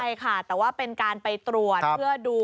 ใช่ค่ะแต่ว่าเป็นการไปตรวจเพื่อดู